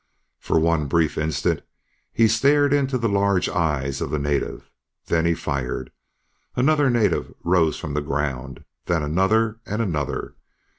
For one brief instant, he stared into the large eyes of the native. Then he fired. Another native rose from the ground, then another and another.